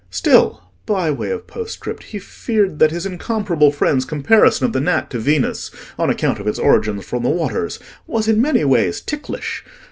Still, by way of postscript, he feared that his incomparable friend's comparison of the gnat to Venus, on account of its origin from the waters, was in many ways ticklish.